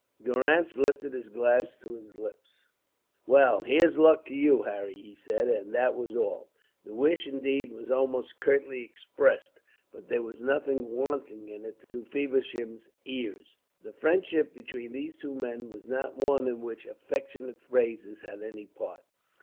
Durrance lifted his glass to his lips. "Well, here's luck to you, Harry," he said, and that was all. The wish, indeed, was almost curtly expressed, but there was nothing wanting in it to Feversham's ears. The friendship between these two men was not one in which affectionate phrases had any part.